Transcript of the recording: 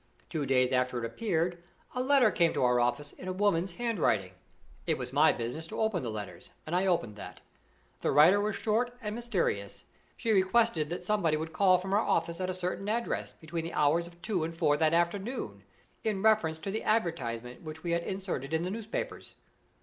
Two days after it appeared, a letter came to our office in a woman's handwriting. It was my business to open the letters, and I opened that. The writer was short and mysterious. She requested that somebody would call from our office at a certain address, between the hours of two and four that afternoon, in reference to the advertisement which we had inserted in the newspapers.